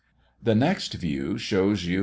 The next view shows you M.